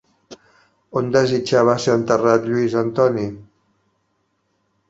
On desitjava ser enterrat Lluís Antoni?